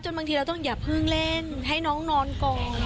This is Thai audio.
บางทีเราต้องอย่าเพิ่งเล่นให้น้องนอนก่อน